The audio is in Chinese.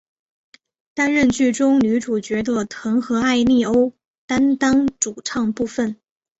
担任剧中女主角的藤和艾利欧担当主唱部分。